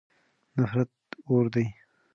نفرت اور دی.